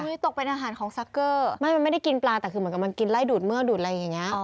ตกเป็นอาหารของซักเกอร์ไม่มันไม่ได้กินปลาแต่คือเหมือนกับมันกินไล่ดูดเมื่อดูดอะไรอย่างนี้